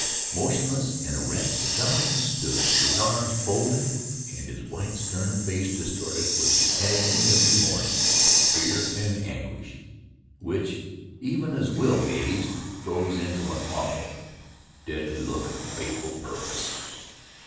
Motionless and erect Jonathan stood, his arms folded and his white, stern face distorted with the agony of remorse, fear, and anguish, which, even as Will gazed, froze into an awful, deadly look of fateful purpose.